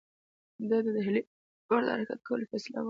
ده د ډهلي پر لور د حرکت کولو فیصله وکړه.